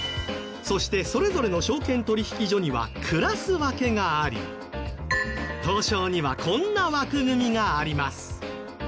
そしてそれぞれの証券取引所にはクラス分けがあり東証にはこんな枠組みがあります。